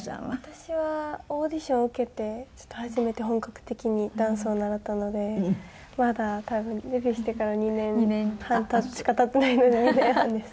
私はオーディション受けて初めて本格的にダンスを習ったのでまだ多分デビューしてから２年半しか経ってないので２年半です。